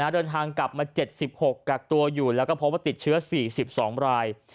เดินทางกลับมา๗๖กักตัวอยู่แล้วก็พบว่าติดเชื้อ๔๒ราย